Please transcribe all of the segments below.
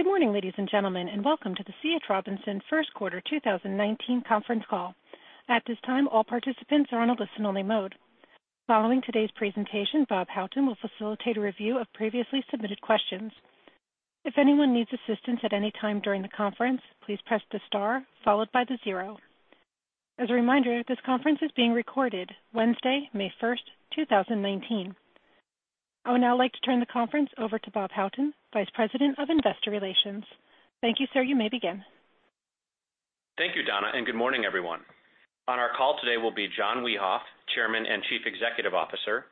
Good morning, ladies and gentlemen, and welcome to the C. H. Robinson first quarter 2019 conference call. At this time, all participants are on a listen only mode. Following today's presentation, Bob Houghton will facilitate a review of previously submitted questions. If anyone needs assistance at any time during the conference, please press the star followed by the zero. As a reminder, this conference is being recorded Wednesday, May 1st, 2019. I would now like to turn the conference over to Bob Houghton, Vice President of Investor Relations. Thank you, sir. You may begin. Thank you, Donna. Good morning, everyone. On our call today will be John Wiehoff, Chairman and Chief Executive Officer,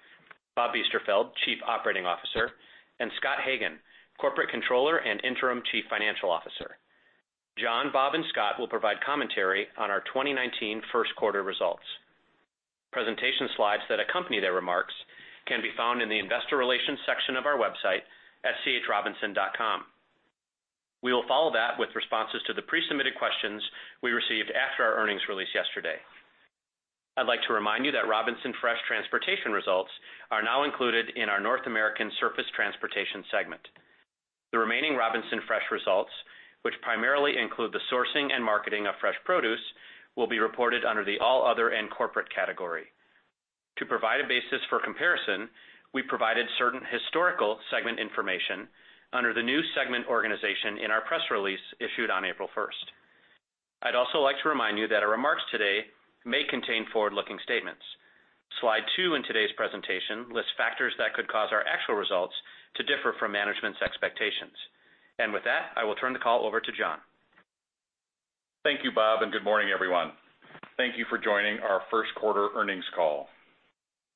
Bob Biesterfeld, Chief Operating Officer, and Scott Hagen, Corporate Controller and Interim Chief Financial Officer. John, Bob and Scott will provide commentary on our 2019 first quarter results. Presentation slides that accompany their remarks can be found in the investor relations section of our website at chrobinson.com. We will follow that with responses to the pre-submitted questions we received after our earnings release yesterday. I'd like to remind you that Robinson Fresh transportation results are now included in our North American surface transportation segment. The remaining Robinson Fresh results, which primarily include the sourcing and marketing of fresh produce, will be reported under the all other and corporate category. To provide a basis for comparison, we provided certain historical segment information under the new segment organization in our press release issued on April 1st. I'd also like to remind you that our remarks today may contain forward looking statements. Slide two in today's presentation lists factors that could cause our actual results to differ from management's expectations. With that, I will turn the call over to John. Thank you, Bob. Good morning, everyone. Thank you for joining our first quarter earnings call.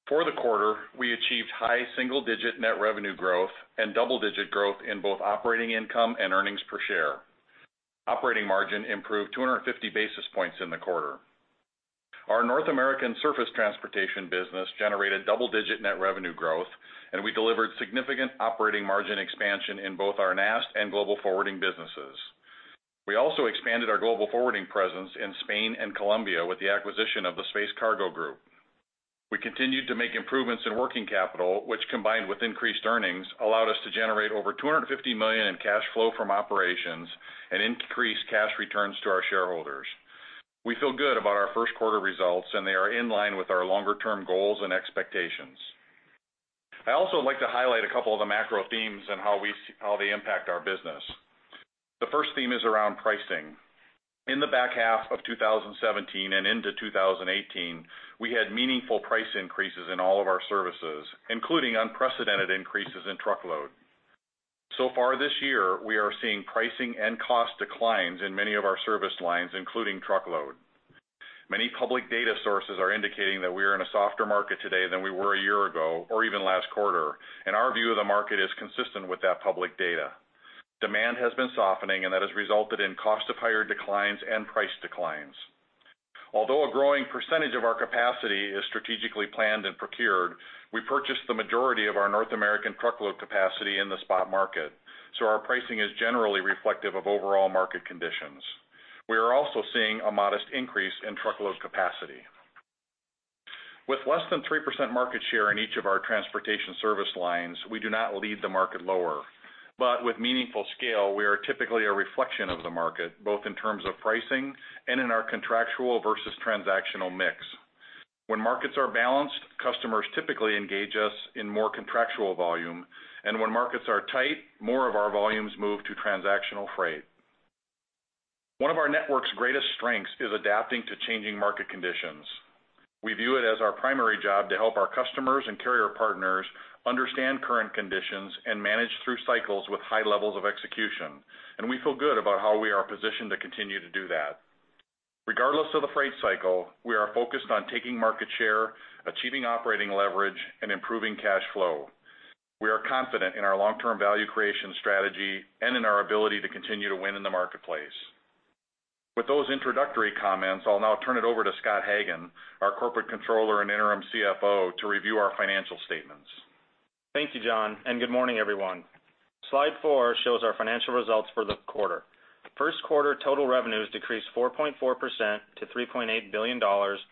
For the quarter, we achieved high single digit net revenue growth and double digit growth in both operating income and earnings per share. Operating margin improved 250 basis points in the quarter. Our North American surface transportation business generated double digit net revenue growth, and we delivered significant operating margin expansion in both our NAST and Global Forwarding businesses. We also expanded our Global Forwarding presence in Spain and Colombia with the acquisition of The Space Cargo Group. We continued to make improvements in working capital, which, combined with increased earnings, allowed us to generate over $250 million in cash flow from operations and increase cash returns to our shareholders. They are in line with our longer term goals and expectations. I also like to highlight a couple of the macro themes and how they impact our business. The first theme is around pricing. In the back half of 2017 and into 2018, we had meaningful price increases in all of our services, including unprecedented increases in truckload. So far this year, we are seeing pricing and cost declines in many of our service lines, including truckload. Many public data sources are indicating that we are in a softer market today than we were a year ago or even last quarter, and our view of the market is consistent with that public data. Demand has been softening, and that has resulted in cost of hire declines and price declines. Although a growing percentage of our capacity is strategically planned and procured, we purchased the majority of our North American truckload capacity in the spot market, so our pricing is generally reflective of overall market conditions. We are also seeing a modest increase in truckload capacity. With less than 3% market share in each of our transportation service lines, we do not lead the market lower. With meaningful scale, we are typically a reflection of the market, both in terms of pricing and in our contractual versus transactional mix. When markets are balanced, customers typically engage us in more contractual volume, and when markets are tight, more of our volumes move to transactional freight. One of our network's greatest strengths is adapting to changing market conditions. We view it as our primary job to help our customers and carrier partners understand current conditions and manage through cycles with high levels of execution, and we feel good about how we are positioned to continue to do that. Regardless of the freight cycle, we are focused on taking market share, achieving operating leverage, and improving cash flow. We are confident in our long term value creation strategy and in our ability to continue to win in the marketplace. With those introductory comments, I'll now turn it over to Scott Hagen, our Corporate Controller and Interim CFO, to review our financial statements. Thank you, John, and good morning, everyone. Slide four shows our financial results for the quarter. First quarter total revenues decreased 4.4% to $3.8 billion,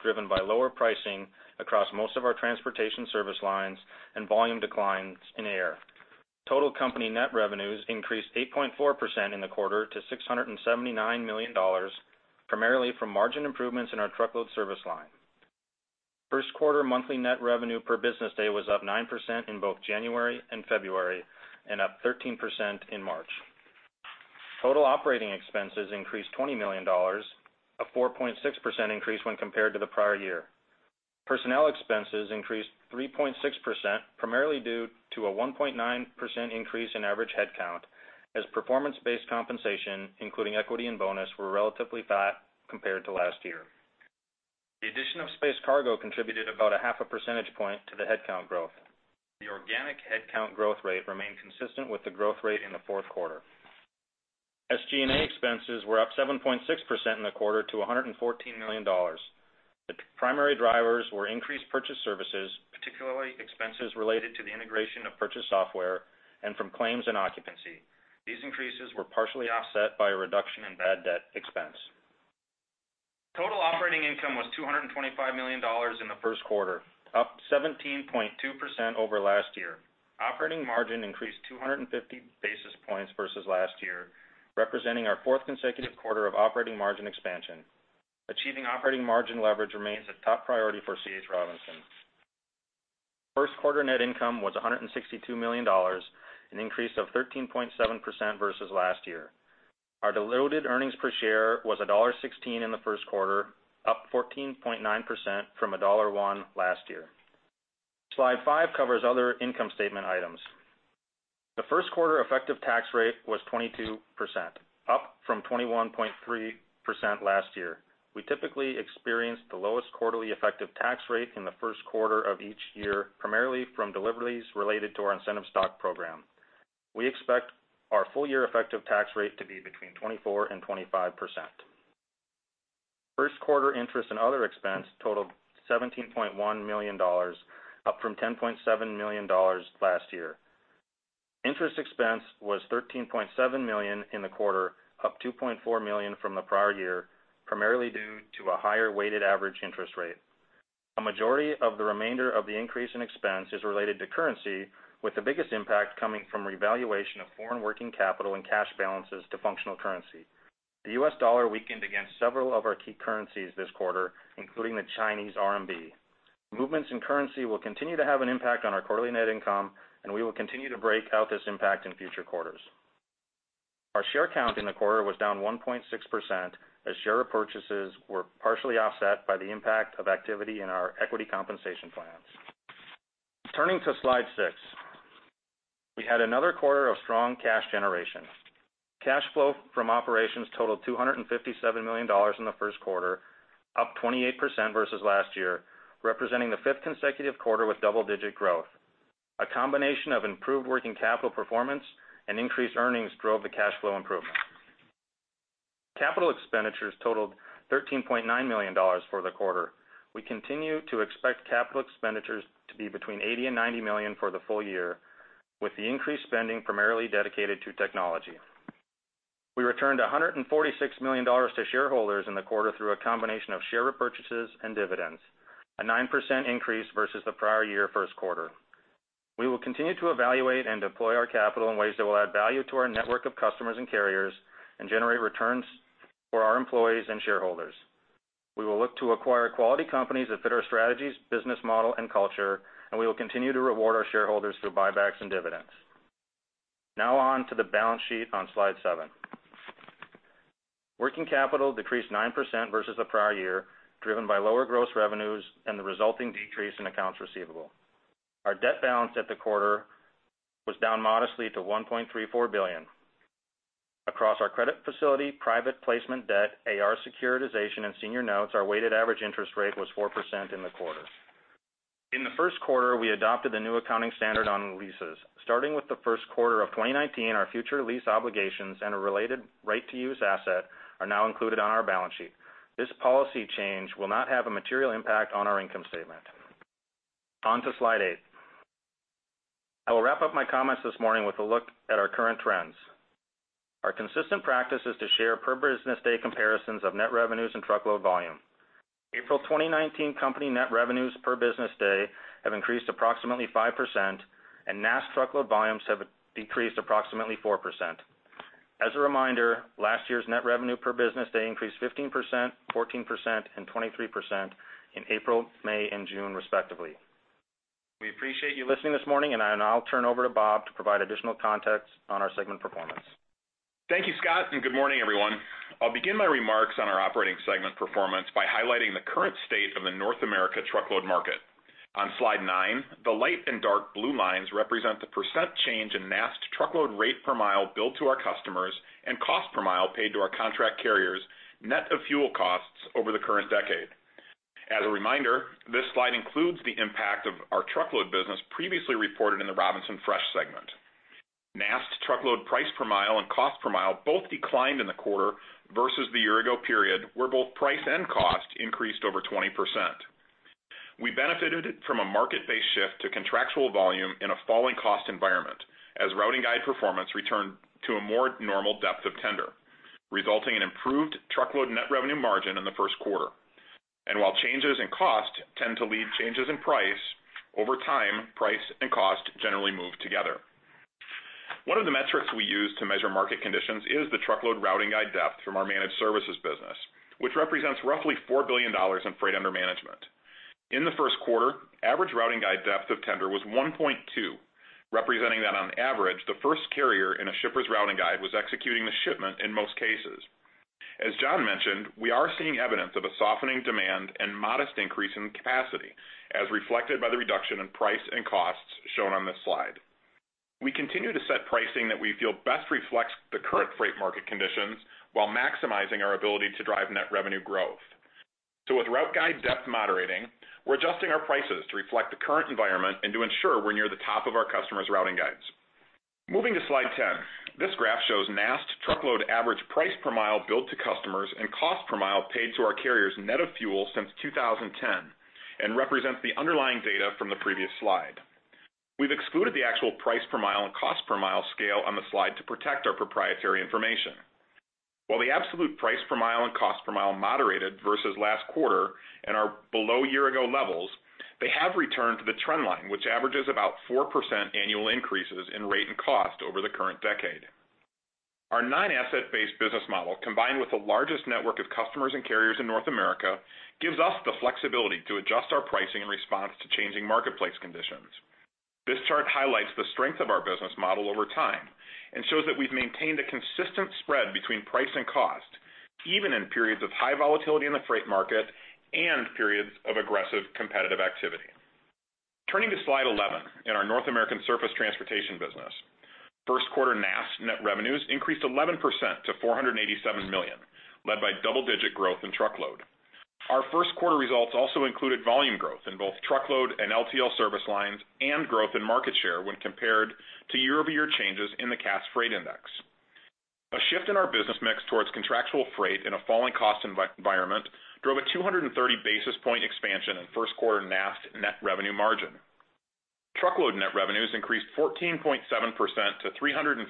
driven by lower pricing across most of our transportation service lines and volume declines in air. Total company net revenues increased 8.4% in the quarter to $679 million, primarily from margin improvements in our truckload service line. First quarter monthly net revenue per business day was up 9% in both January and February, and up 13% in March. Total operating expenses increased $20 million, a 4.6% increase when compared to the prior year. Personnel expenses increased 3.6%, primarily due to a 1.9% increase in average headcount as performance-based compensation, including equity and bonus, were relatively flat compared to last year. The addition of Space Cargo contributed about a half a percentage point to the headcount growth. The organic headcount growth rate remained consistent with the growth rate in the fourth quarter. SG&A expenses were up 7.6% in the quarter to $114 million. The primary drivers were increased purchase services, particularly expenses related to the integration of purchased software and from claims and occupancy. These increases were partially offset by a reduction in bad debt expense. Operating income was $225 million in the first quarter, up 17.2% over last year. Operating margin increased 250 basis points versus last year, representing our fourth consecutive quarter of operating margin expansion. Achieving operating margin leverage remains a top priority for C. H. Robinson. First quarter net income was $162 million, an increase of 13.7% versus last year. Our diluted earnings per share was $1.16 in the first quarter, up 14.9% from $1.01 last year. Slide five covers other income statement items. The first quarter effective tax rate was 22%, up from 21.3% last year. We typically experienced the lowest quarterly effective tax rate in the first quarter of each year, primarily from deliveries related to our incentive stock program. We expect our full year effective tax rate to be between 24%-25%. First quarter interest and other expense totaled $17.1 million, up from $10.7 million last year. Interest expense was $13.7 million in the quarter, up $2.4 million from the prior year, primarily due to a higher weighted average interest rate. A majority of the remainder of the increase in expense is related to currency, with the biggest impact coming from revaluation of foreign working capital and cash balances to functional currency. The U.S. dollar weakened against several of our key currencies this quarter, including the Chinese RMB. Movements in currency will continue to have an impact on our quarterly net income. We will continue to break out this impact in future quarters. Our share count in the quarter was down 1.6% as share repurchases were partially offset by the impact of activity in our equity compensation plans. Turning to slide six. We had another quarter of strong cash generation. Cash flow from operations totaled $257 million in the first quarter, up 28% versus last year, representing the fifth consecutive quarter with double-digit growth. A combination of improved working capital performance and increased earnings drove the cash flow improvement. Capital expenditures totaled $13.9 million for the quarter. We continue to expect capital expenditures to be between $80 million-$90 million for the full year, with the increased spending primarily dedicated to technology. We returned $146 million to shareholders in the quarter through a combination of share repurchases and dividends, a 9% increase versus the prior year first quarter. We will continue to evaluate and deploy our capital in ways that will add value to our network of customers and carriers and generate returns for our employees and shareholders. We will look to acquire quality companies that fit our strategies, business model, and culture. We will continue to reward our shareholders through buybacks and dividends. Now on to the balance sheet on slide seven. Working capital decreased 9% versus the prior year, driven by lower gross revenues and the resulting decrease in accounts receivable. Our debt balance at the quarter was down modestly to $1.34 billion. Across our credit facility, private placement debt, AR securitization, and senior notes, our weighted average interest rate was 4% in the quarter. In the first quarter, we adopted the new accounting standard on leases. Starting with the first quarter of 2019, our future lease obligations and a related right to use asset are now included on our balance sheet. This policy change will not have a material impact on our income statement. On to slide eight. I will wrap up my comments this morning with a look at our current trends. Our consistent practice is to share per business day comparisons of net revenues and truckload volume. April 2019 company net revenues per business day have increased approximately 5%, and NAST truckload volumes have decreased approximately 4%. As a reminder, last year's net revenue per business day increased 15%, 14%, and 23% in April, May, and June, respectively. We appreciate you listening this morning. I'll now turn over to Bob to provide additional context on our segment performance. Thank you, Scott, and good morning, everyone. I'll begin my remarks on our operating segment performance by highlighting the current state of the North America truckload market. On slide nine, the light and dark blue lines represent the % change in NAST truckload rate per mile billed to our customers and cost per mile paid to our contract carriers, net of fuel costs over the current decade. As a reminder, this slide includes the impact of our truckload business previously reported in the Robinson Fresh segment. NAST truckload price per mile and cost per mile both declined in the quarter versus the year ago period where both price and cost increased over 20%. We benefited from a market-based shift to contractual volume in a falling cost environment as routing guide performance returned to a more normal depth of tender, resulting in improved truckload net revenue margin in the first quarter. While changes in cost tend to lead changes in price, over time, price and cost generally move together. One of the metrics we use to measure market conditions is the truckload routing guide depth from our managed services business, which represents roughly $4 billion in freight under management. In the first quarter, average routing guide depth of tender was 1.2, representing that on average, the first carrier in a shipper's routing guide was executing the shipment in most cases. As John mentioned, we are seeing evidence of a softening demand and modest increase in capacity, as reflected by the reduction in price and costs shown on this slide. We continue to set pricing that we feel best reflects the current freight market conditions while maximizing our ability to drive net revenue growth. With routing guide depth moderating, we're adjusting our prices to reflect the current environment and to ensure we're near the top of our customers' routing guides. Moving to slide 10. This graph shows NAST truckload average price per mile billed to customers and cost per mile paid to our carriers net of fuel since 2010 and represents the underlying data from the previous slide. We've excluded the actual price per mile and cost per mile scale on the slide to protect our proprietary information. While the absolute price per mile and cost per mile moderated versus last quarter and are below year-ago levels, they have returned to the trend line, which averages about 4% annual increases in rate and cost over the current decade. Our non-asset-based business model, combined with the largest network of customers and carriers in North America, gives us the flexibility to adjust our pricing in response to changing marketplace conditions. This chart highlights the strength of our business model over time and shows that we've maintained a consistent spread between price and cost, even in periods of high volatility in the freight market and periods of aggressive competitive activity. Turning to slide 11 in our North American surface transportation business. First quarter NAST net revenues increased 11% to $487 million, led by double-digit growth in truckload. Our first quarter results also included volume growth in both truckload and LTL service lines and growth in market share when compared to year-over-year changes in the Cass Freight Index. A shift in our business mix towards contractual freight in a falling cost environment drove a 230 basis point expansion in first quarter NAST net revenue margin. Truckload net revenues increased 14.7% to $359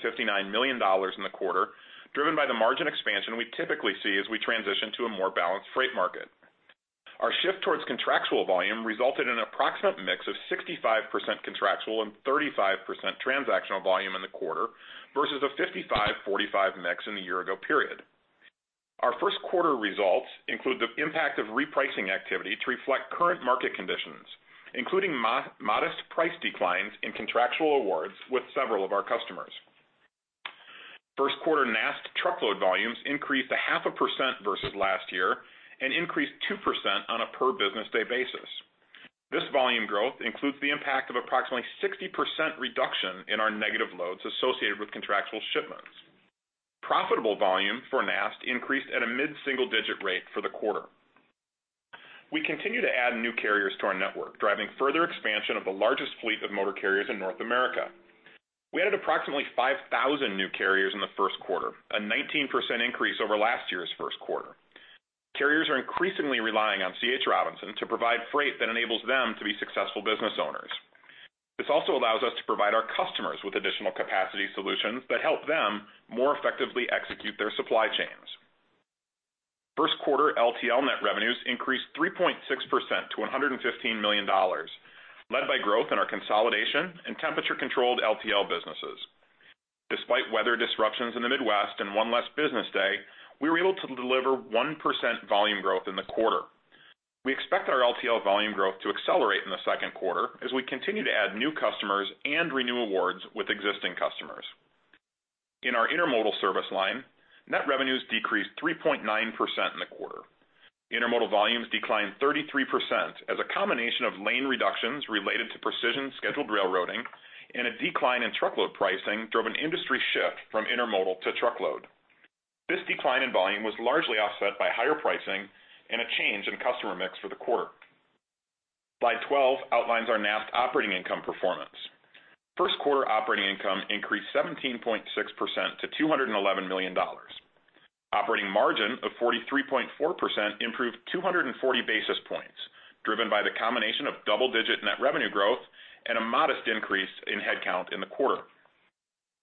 million in the quarter, driven by the margin expansion we typically see as we transition to a more balanced freight market. Our shift towards contractual volume resulted in an approximate mix of 65% contractual and 35% transactional volume in the quarter versus a 55/45 mix in the year-ago period. Our first quarter results include the impact of repricing activity to reflect current market conditions, including modest price declines in contractual awards with several of our customers. First quarter NAST truckload volumes increased a half a percent versus last year and increased 2% on a per business day basis. This volume growth includes the impact of approximately 60% reduction in our negative loads associated with contractual shipments. Profitable volume for NAST increased at a mid-single-digit rate for the quarter. We continue to add new carriers to our network, driving further expansion of the largest fleet of motor carriers in North America. We added approximately 5,000 new carriers in the first quarter, a 19% increase over last year's first quarter. Carriers are increasingly relying on C. H. Robinson to provide freight that enables them to be successful business owners. This also allows us to provide our customers with additional capacity solutions that help them more effectively execute their supply chains. First quarter LTL net revenues increased 3.6% to $115 million, led by growth in our consolidation and temperature-controlled LTL businesses. Despite weather disruptions in the Midwest and one less business day, we were able to deliver 1% volume growth in the quarter. We expect our LTL volume growth to accelerate in the second quarter as we continue to add new customers and renew awards with existing customers. In our intermodal service line, net revenues decreased 3.9% in the quarter. Intermodal volumes declined 33% as a combination of lane reductions related to precision scheduled railroading and a decline in truckload pricing drove an industry shift from intermodal to truckload. This decline in volume was largely offset by higher pricing and a change in customer mix for the quarter. Slide 12 outlines our NAST operating income performance. First quarter operating income increased 17.6% to $211 million. Operating margin of 43.4% improved 240 basis points, driven by the combination of double-digit net revenue growth and a modest increase in headcount in the quarter.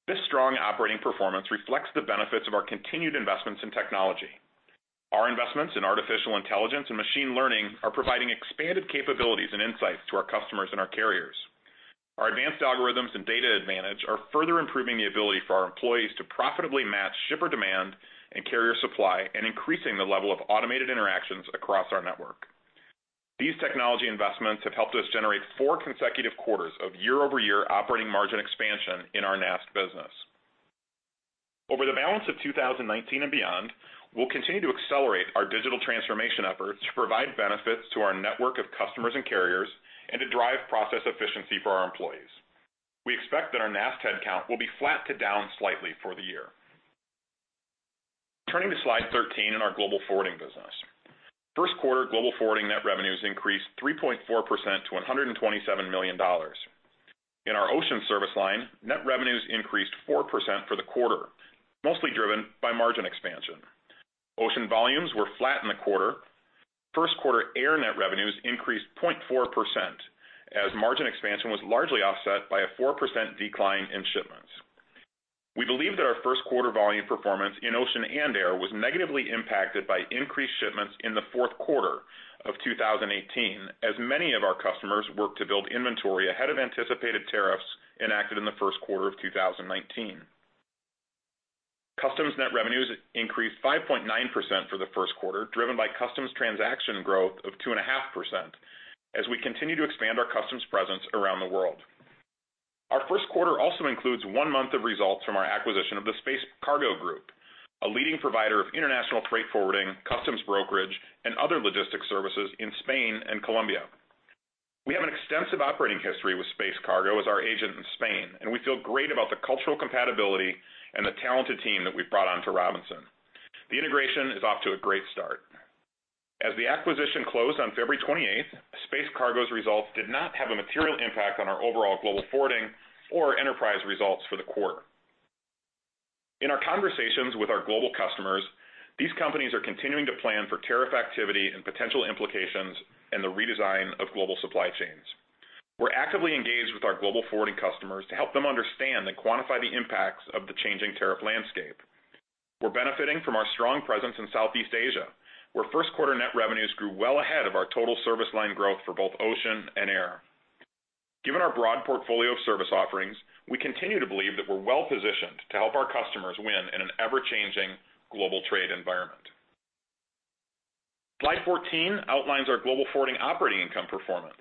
This strong operating performance reflects the benefits of our continued investments in technology. Our investments in artificial intelligence and machine learning are providing expanded capabilities and insights to our customers and our carriers. Our advanced algorithms and data advantage are further improving the ability for our employees to profitably match shipper demand and carrier supply and increasing the level of automated interactions across our network. These technology investments have helped us generate four consecutive quarters of year-over-year operating margin expansion in our NAST business. Over the balance of 2019 and beyond, we'll continue to accelerate our digital transformation efforts to provide benefits to our network of customers and carriers and to drive process efficiency for our employees. We expect that our NAST headcount will be flat to down slightly for the year. Turning to slide 13 in our global forwarding business. First quarter global forwarding net revenues increased 3.4% to $127 million. In our ocean service line, net revenues increased 4% for the quarter, mostly driven by margin expansion. Ocean volumes were flat in the quarter. First quarter air net revenues increased 0.4% as margin expansion was largely offset by a 4% decline in shipments. We believe that our first quarter volume performance in ocean and air was negatively impacted by increased shipments in the fourth quarter of 2018, as many of our customers worked to build inventory ahead of anticipated tariffs enacted in the first quarter of 2019. Customs net revenues increased 5.9% for the first quarter, driven by customs transaction growth of 2.5% as we continue to expand our customs presence around the world. Our first quarter also includes one month of results from our acquisition of The Space Cargo Group, a leading provider of international freight forwarding, customs brokerage, and other logistics services in Spain and Colombia. We have an extensive operating history with Space Cargo as our agent in Spain, and we feel great about the cultural compatibility and the talented team that we've brought on to Robinson. The integration is off to a great start. As the acquisition closed on February 28th, Space Cargo's results did not have a material impact on our overall global forwarding or enterprise results for the quarter. In our conversations with our global customers, these companies are continuing to plan for tariff activity and potential implications in the redesign of global supply chains. We're actively engaged with our global forwarding customers to help them understand and quantify the impacts of the changing tariff landscape. We're benefiting from our strong presence in Southeast Asia, where first quarter net revenues grew well ahead of our total service line growth for both ocean and air. Given our broad portfolio of service offerings, we continue to believe that we're well-positioned to help our customers win in an ever-changing global trade environment. Slide 14 outlines our global forwarding operating income performance.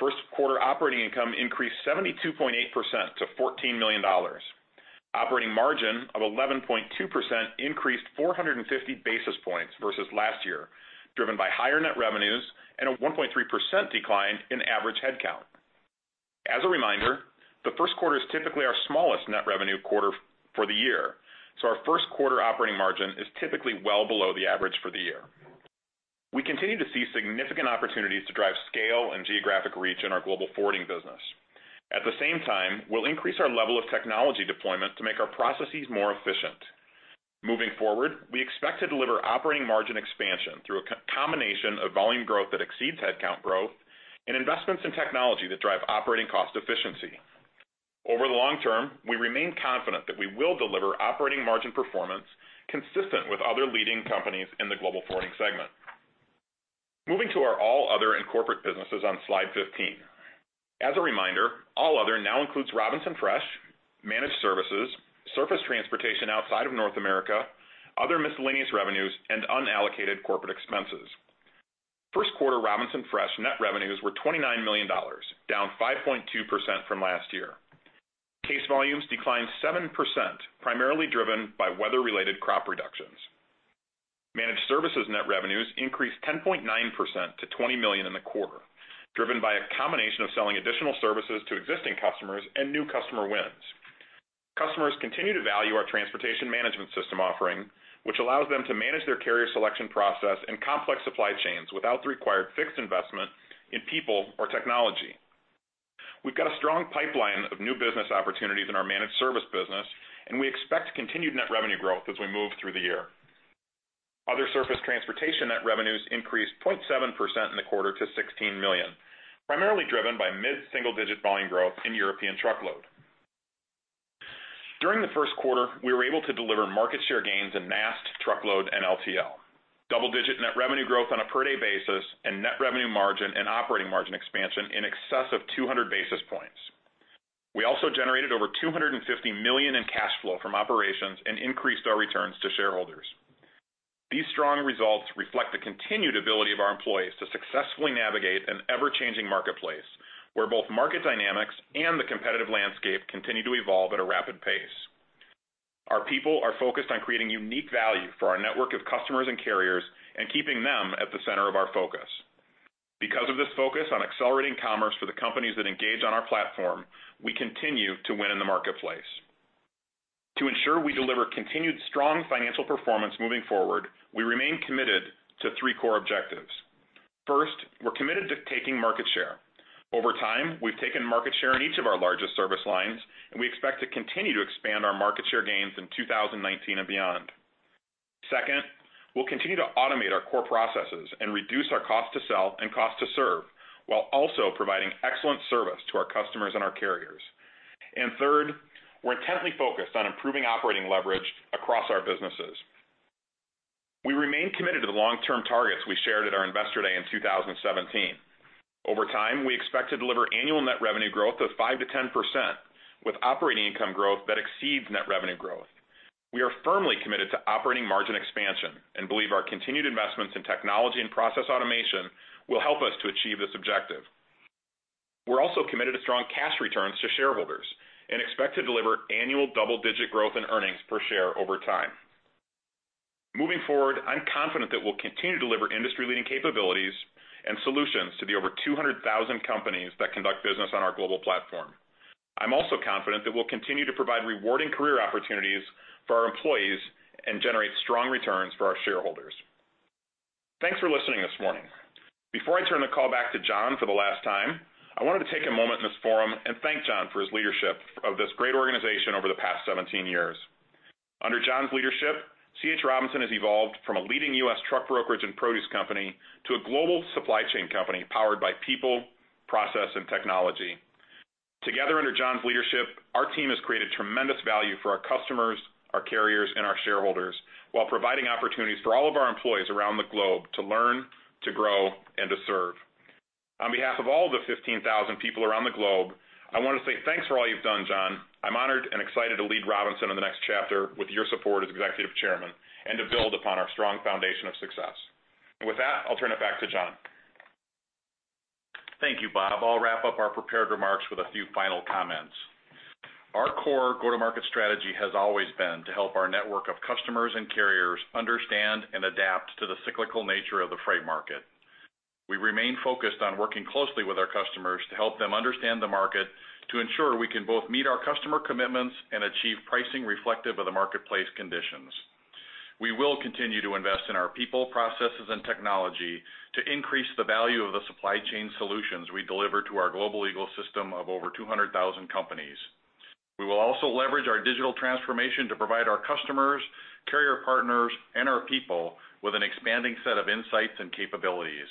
First quarter operating income increased 72.8% to $14 million. Operating margin of 11.2% increased 450 basis points versus last year, driven by higher net revenues and a 1.3% decline in average headcount. As a reminder, the first quarter is typically our smallest net revenue quarter for the year, so our first quarter operating margin is typically well below the average for the year. We continue to see significant opportunities to drive scale and geographic reach in our global forwarding business. At the same time, we'll increase our level of technology deployment to make our processes more efficient. Moving forward, we expect to deliver operating margin expansion through a combination of volume growth that exceeds headcount growth and investments in technology that drive operating cost efficiency. Over the long term, we remain confident that we will deliver operating margin performance consistent with other leading companies in the global forwarding segment. Moving to our all other and corporate businesses on Slide 15. As a reminder, all other now includes Robinson Fresh, managed services, surface transportation outside of North America, other miscellaneous revenues, and unallocated corporate expenses. First quarter Robinson Fresh net revenues were $29 million, down 5.2% from last year. Case volumes declined 7%, primarily driven by weather-related crop reductions. Managed services net revenues increased 10.9% to $20 million in the quarter, driven by a combination of selling additional services to existing customers and new customer wins. Customers continue to value our transportation management system offering, which allows them to manage their carrier selection process and complex supply chains without the required fixed investment in people or technology. We've got a strong pipeline of new business opportunities in our managed service business, and we expect continued net revenue growth as we move through the year. Other surface transportation net revenues increased 0.7% in the quarter to $16 million, primarily driven by mid-single-digit volume growth in European truckload. During the first quarter, we were able to deliver market share gains in NAST, truckload, and LTL, double-digit net revenue growth on a per-day basis, and net revenue margin and operating margin expansion in excess of 200 basis points. We also generated over $250 million in cash flow from operations and increased our returns to shareholders. These strong results reflect the continued ability of our employees to successfully navigate an ever-changing marketplace, where both market dynamics and the competitive landscape continue to evolve at a rapid pace. Our people are focused on creating unique value for our network of customers and carriers and keeping them at the center of our focus. Because of this focus on accelerating commerce for the companies that engage on our platform, we continue to win in the marketplace. To ensure we deliver continued strong financial performance moving forward, we remain committed to three core objectives. First, we're committed to taking market share. Over time, we've taken market share in each of our largest service lines, and we expect to continue to expand our market share gains in 2019 and beyond. Second, we'll continue to automate our core processes and reduce our cost to sell and cost to serve while also providing excellent service to our customers and our carriers. Third, we're intently focused on improving operating leverage across our businesses. We remain committed to the long-term targets we shared at our Investor Day in 2017. Over time, we expect to deliver annual net revenue growth of 5%-10%, with operating income growth that exceeds net revenue growth. We are firmly committed to operating margin expansion and believe our continued investments in technology and process automation will help us to achieve this objective. We're also committed to strong cash returns to shareholders and expect to deliver annual double-digit growth in earnings per share over time. Moving forward, I'm confident that we'll continue to deliver industry-leading capabilities and solutions to the over 200,000 companies that conduct business on our global platform. I'm also confident that we'll continue to provide rewarding career opportunities for our employees and generate strong returns for our shareholders. Thanks for listening this morning. Before I turn the call back to John for the last time, I wanted to take a moment in this forum and thank John for his leadership of this great organization over the past 17 years. Under John's leadership, C.H. Robinson has evolved from a leading U.S. truck brokerage and produce company to a global supply chain company powered by people, process, and technology. Together, under John's leadership, our team has created tremendous value for our customers, our carriers, and our shareholders while providing opportunities for all of our employees around the globe to learn, to grow, and to serve. On behalf of all the 15,000 people around the globe, I want to say thanks for all you've done, John. I'm honored and excited to lead Robinson in the next chapter with your support as Executive Chairman and to build upon our strong foundation of success. With that, I'll turn it back to John. Thank you, Bob. I'll wrap up our prepared remarks with a few final comments. Our core go-to-market strategy has always been to help our network of customers and carriers understand and adapt to the cyclical nature of the freight market. We remain focused on working closely with our customers to help them understand the market to ensure we can both meet our customer commitments and achieve pricing reflective of the marketplace conditions. We will continue to invest in our people, processes, and technology to increase the value of the supply chain solutions we deliver to our global ecosystem of over 200,000 companies. We will also leverage our digital transformation to provide our customers, carrier partners, and our people with an expanding set of insights and capabilities.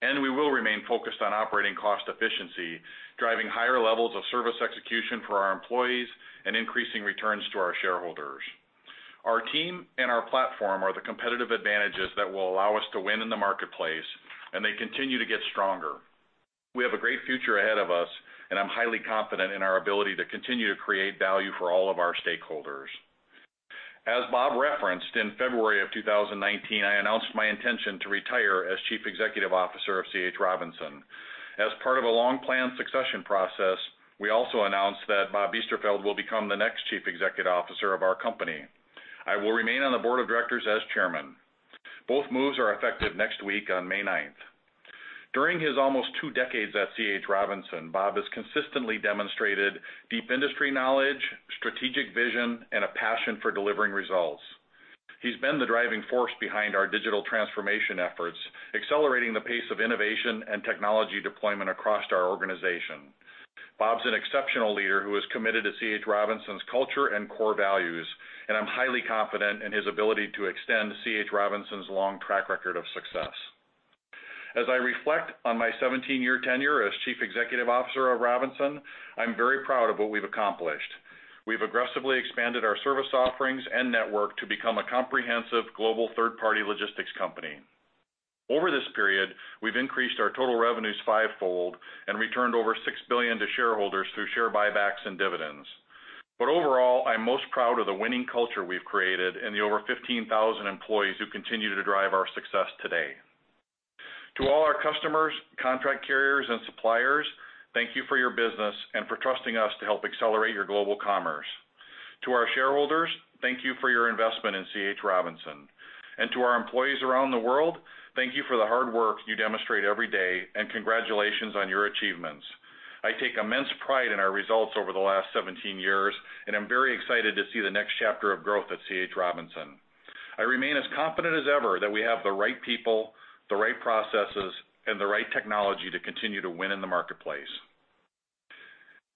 We will remain focused on operating cost efficiency, driving higher levels of service execution for our employees and increasing returns to our shareholders. Our team and our platform are the competitive advantages that will allow us to win in the marketplace, and they continue to get stronger. We have a great future ahead of us, and I'm highly confident in our ability to continue to create value for all of our stakeholders. As Bob referenced, in February of 2019, I announced my intention to retire as Chief Executive Officer of C.H. Robinson. As part of a long-planned succession process, we also announced that Bob Biesterfeld will become the next Chief Executive Officer of our company. I will remain on the board of directors as Chairman. Both moves are effective next week on May 9th. During his almost two decades at C.H. Robinson, Bob has consistently demonstrated deep industry knowledge, strategic vision, and a passion for delivering results. He's been the driving force behind our digital transformation efforts, accelerating the pace of innovation and technology deployment across our organization. Bob's an exceptional leader who is committed to C.H. Robinson's culture and core values, and I'm highly confident in his ability to extend C.H. Robinson's long track record of success. As I reflect on my 17-year tenure as chief executive officer of Robinson, I'm very proud of what we've accomplished. We've aggressively expanded our service offerings and network to become a comprehensive global third-party logistics company. Over this period, we've increased our total revenues fivefold and returned over $6 billion to shareholders through share buybacks and dividends. Overall, I'm most proud of the winning culture we've created and the over 15,000 employees who continue to drive our success today. To all our customers, contract carriers, and suppliers, thank you for your business and for trusting us to help accelerate your global commerce. To our shareholders, thank you for your investment in C.H. Robinson. To our employees around the world, thank you for the hard work you demonstrate every day, and congratulations on your achievements. I take immense pride in our results over the last 17 years, and I'm very excited to see the next chapter of growth at C.H. Robinson. I remain as confident as ever that we have the right people, the right processes, and the right technology to continue to win in the marketplace.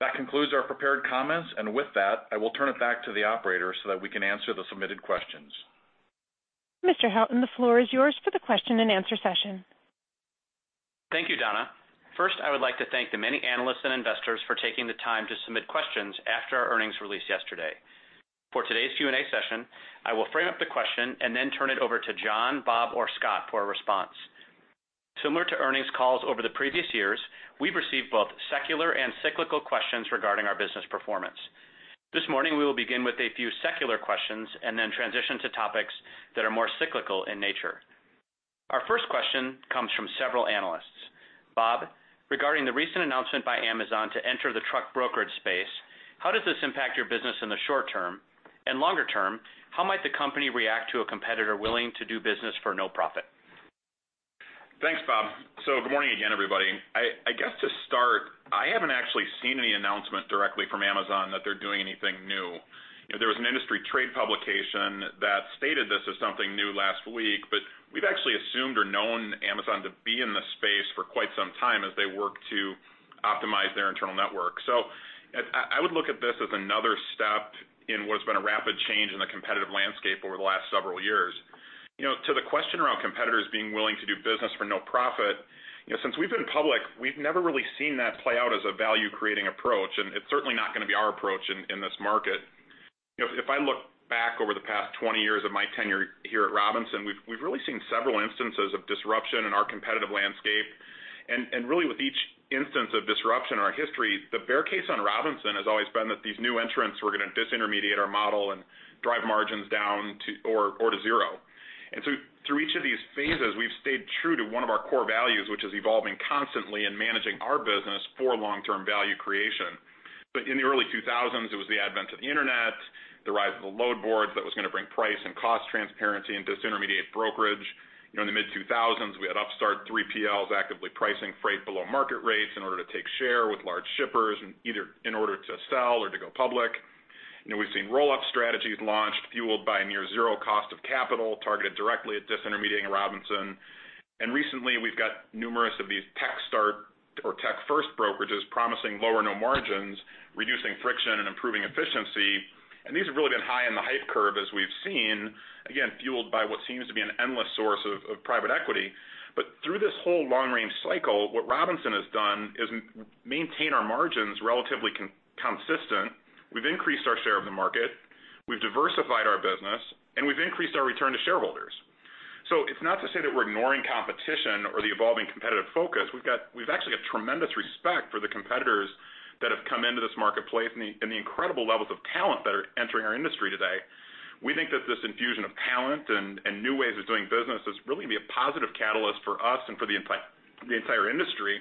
That concludes our prepared comments, and with that, I will turn it back to the operator so that we can answer the submitted questions. Mr. Houghton, the floor is yours for the question and answer session. Thank you, Donna. First, I would like to thank the many analysts and investors for taking the time to submit questions after our earnings release yesterday. For today's Q&A session, I will frame up the question and then turn it over to John, Bob, or Scott for a response. Similar to earnings calls over the previous years, we've received both secular and cyclical questions regarding our business performance. This morning, we will begin with a few secular questions and then transition to topics that are more cyclical in nature. Our first question comes from several analysts. Bob, regarding the recent announcement by Amazon to enter the truck brokerage space, how does this impact your business in the short term, and longer term, how might the company react to a competitor willing to do business for no profit? Thanks, Bob. Good morning again, everybody. I guess to start, I haven't actually seen any announcement directly from Amazon that they're doing anything new. There was an industry trade publication that stated this as something new last week, but we've actually assumed or known Amazon to be in the space for quite some time as they work to optimize their internal network. I would look at this as another step in what has been a rapid change in the competitive landscape over the last several years. To the question around competitors being willing to do business for no profit, since we've been public, we've never really seen that play out as a value-creating approach, and it's certainly not going to be our approach in this market. If I look back over the past 20 years of my tenure here at Robinson, we've really seen several instances of disruption in our competitive landscape, and really with each instance of disruption in our history, the bear case on Robinson has always been that these new entrants were going to disintermediate our model and drive margins down or to zero. Through each of these phases, we've stayed true to one of our core values, which is evolving constantly and managing our business for long-term value creation. In the early 2000s, it was the advent of the Internet, the rise of the load boards that was going to bring price and cost transparency and disintermediate brokerage. In the mid-2000s, we had upstart 3PLs actively pricing freight below market rates in order to take share with large shippers, either in order to sell or to go public. We've seen roll-up strategies launched, fueled by near zero cost of capital, targeted directly at disintermediating Robinson. Recently, we've got numerous of these tech start or tech first brokerages promising low or no margins, reducing friction and improving efficiency. These have really been high in the hype curve as we've seen, again, fueled by what seems to be an endless source of private equity. Through this whole long-range cycle, what Robinson has done is maintain our margins relatively consistent. We've increased our share of the market. We've diversified our business, and we've increased our return to shareholders. It's not to say that we're ignoring competition or the evolving competitive focus. We've actually got tremendous respect for the competitors that have come into this marketplace and the incredible levels of talent that are entering our industry today. We think that this infusion of talent and new ways of doing business is really going to be a positive catalyst for us and for the entire industry.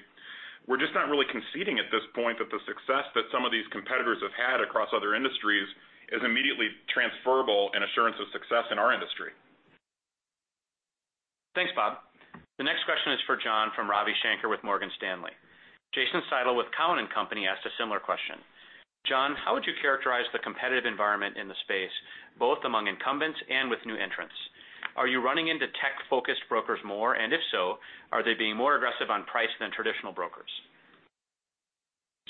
We're just not really conceding at this point that the success that some of these competitors have had across other industries is immediately transferable and assurance of success in our industry. Thanks, Bob. The next question is for John from Ravi Shanker with Morgan Stanley. Jason Seidl with Cowen and Company asked a similar question. John, how would you characterize the competitive environment in the space, both among incumbents and with new entrants? Are you running into tech-focused brokers more, and if so, are they being more aggressive on price than traditional brokers?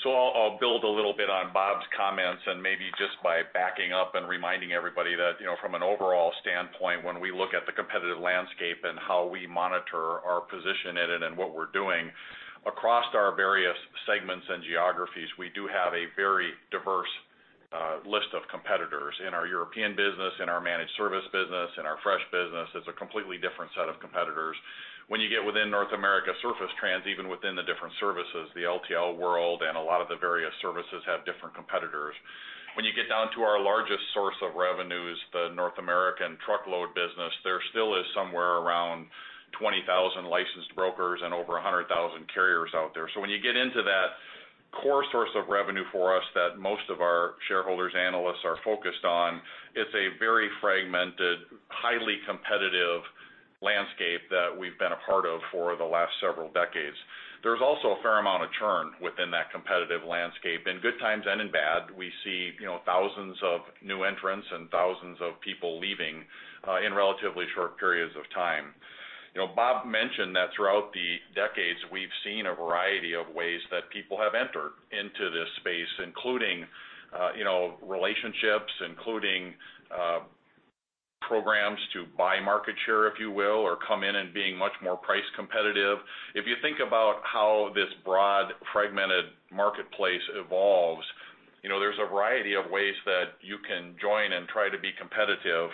I'll build a little bit on Bob's comments and maybe just by backing up and reminding everybody that from an overall standpoint, when we look at the competitive landscape and how we monitor our position in it and what we're doing across our various segments and geographies, we do have a very diverse list of competitors. In our European business, in our managed services business, in our fresh business, it's a completely different set of competitors. When you get within North America surface trans, even within the different services, the LTL world, and a lot of the various services have different competitors. When you get down to our largest source of revenues, the North American truckload business, there still is somewhere around 20,000 licensed brokers and over 100,000 carriers out there. When you get into that core source of revenue for us that most of our shareholders, analysts are focused on, it's a very fragmented, highly competitive landscape that we've been a part of for the last several decades. There's also a fair amount of churn within that competitive landscape. In good times and in bad, we see thousands of new entrants and thousands of people leaving in relatively short periods of time. Bob mentioned that throughout the decades, we've seen a variety of ways that people have entered into this space, including relationships, including programs to buy market share, if you will, or come in and being much more price competitive. If you think about how this broad fragmented marketplace evolves, there's a variety of ways that you can join and try to be competitive.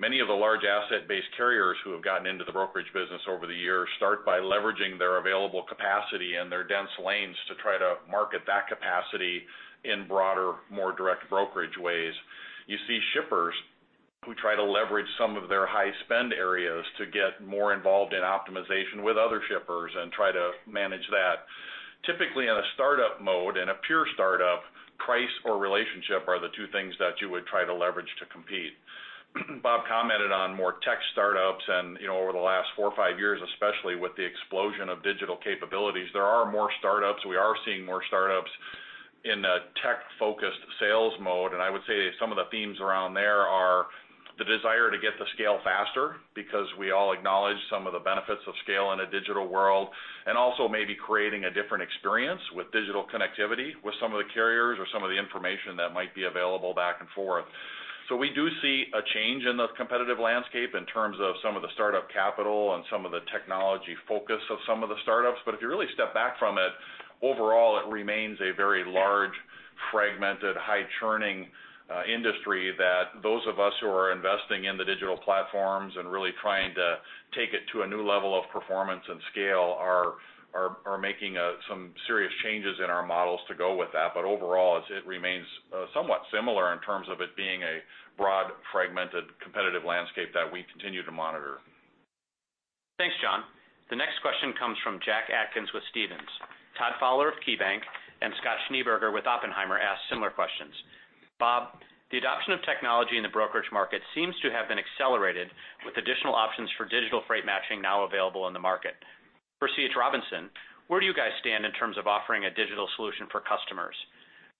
Many of the large asset-based carriers who have gotten into the brokerage business over the years start by leveraging their available capacity and their dense lanes to try to market that capacity in broader, more direct brokerage ways. You see shippers who try to leverage some of their high-spend areas to get more involved in optimization with other shippers and try to manage that. Typically, in a startup mode, in a pure startup, price or relationship are the two things that you would try to leverage to compete. Bob commented on more tech startups, and over the last four or five years, especially with the explosion of digital capabilities, there are more startups. We are seeing more startups in a tech-focused sales mode, and I would say some of the themes around there are the desire to get to scale faster because we all acknowledge some of the benefits of scale in a digital world, and also maybe creating a different experience with digital connectivity with some of the carriers or some of the information that might be available back and forth. We do see a change in the competitive landscape in terms of some of the startup capital and some of the technology focus of some of the startups. If you really step back from it, overall, it remains a very large, fragmented, high-churning industry that those of us who are investing in the digital platforms and really trying to take it to a new level of performance and scale are making some serious changes in our models to go with that. Overall, it remains somewhat similar in terms of it being a broad, fragmented, competitive landscape that we continue to monitor. Thanks, John. The next question comes from Jack Atkins with Stephens. Todd Fowler of KeyBanc and Scott Schneeberger with Oppenheimer asked similar questions. Bob, the adoption of technology in the brokerage market seems to have been accelerated with additional options for digital freight matching now available in the market. For C. H. Robinson, where do you guys stand in terms of offering a digital solution for customers?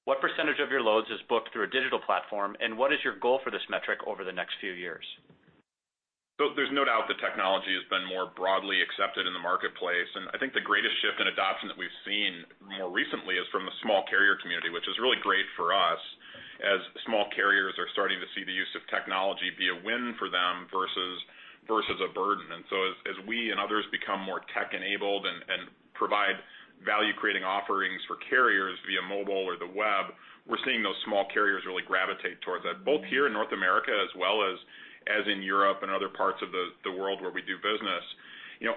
What % of your loads is booked through a digital platform, and what is your goal for this metric over the next few years? There's no doubt that technology has been more broadly accepted in the marketplace, and I think the greatest shift in adoption that we've seen more recently is from the small carrier community, which is really great for us as small carriers are starting to see the use of technology be a win for them versus a burden. As we and others become more tech-enabled and provide value-creating offerings for carriers via mobile or the web, we're seeing those small carriers really gravitate towards that, both here in North America as well as in Europe and other parts of the world where we do business.